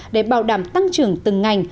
để bảo đảm tăng trưởng từng ngành